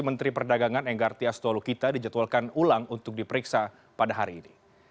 menteri perdagangan enggartia stolokita dijatuhkan ulang untuk diperiksa pada hari ini